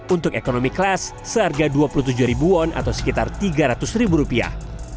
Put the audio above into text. untuk ekonomi kelas seharga dua puluh tujuh ribu won atau sekitar tiga ratus ribu rupiah